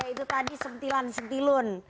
itu tadi sentilan sentilun